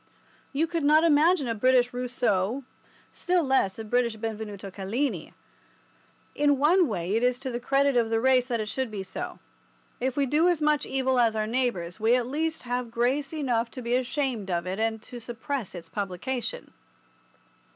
You could not imagine a British Rousseau, still less a British Benvenuto Cellini. In one way it is to the credit of the race that it should be so. If we do as much evil as our neighbours we at least have grace enough to be ashamed of it and to suppress its publication.